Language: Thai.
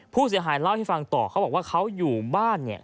ผู้เสียหายเล่าให้ฟังต่อเขาบอกว่าเขาอยู่บ้านเนี่ย